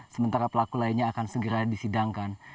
sementara pelaku lainnya akan segera disidangkan